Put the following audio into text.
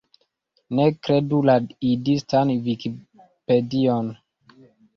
Ne kredu la Idistan Vikipedion!